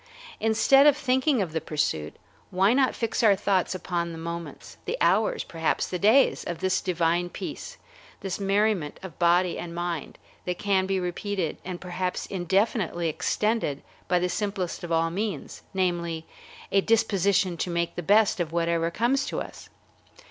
Instead of thinking of the pursuit, why not fix our thoughts upon the moments, the hours, perhaps the days, of this divine peace, this merriment of body and mind, that can be repeated and perhaps indefinitely extended by the simplest of all means, namely, a disposition to make the best of whatever comes to us?